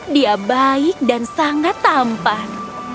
dia baik dan sangat tampan